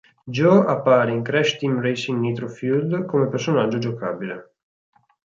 Joe appare in Crash Team Racing Nitro-Fueled come personaggio giocabile.